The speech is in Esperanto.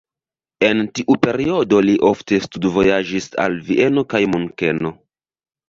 En tiu periodo li ofte studvojaĝis al Vieno kaj Munkeno.